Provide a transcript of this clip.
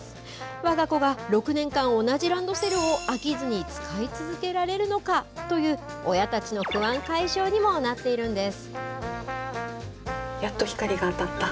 わが子が６年間同じランドセルを飽きずに使い続けられるのかという親たちの不安解消にもなっているんです。